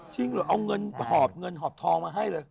จริงเหรอเอาเงินหอบเงินหอบทองมาให้เลย